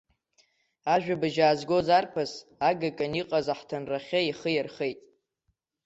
Ажәабжь аазгоз арԥыс агаҿан иҟаз аҳҭынрахьы ихы ирхеит.